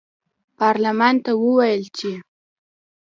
پارلمان ته وویل چې